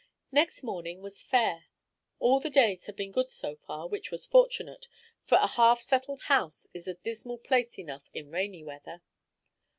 Next morning was fair. All the days had been good so far, which was fortunate, for a half settled house is a dismal place enough in rainy weather.